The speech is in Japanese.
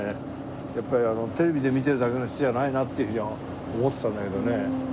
やっぱりテレビで見てるだけの人じゃないなっていうふうには思ってたんだけどね。